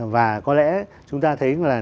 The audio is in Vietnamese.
và có lẽ chúng ta thấy